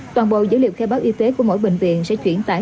toàn bộ dữ liệu khai báo y tế của mỗi bệnh viện sẽ chuyển tải